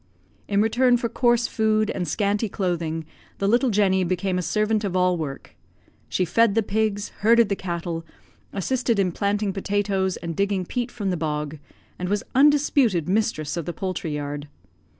In return for coarse food and scanty clothing, the little Jenny became a servant of all work. She fed the pigs, herded the cattle, assisted in planting potatoes and digging peat from the bog, and was undisputed mistress of the poultry yard.